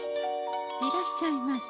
いらっしゃいませ。